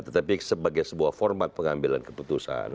tetapi sebagai sebuah format pengambilan keputusan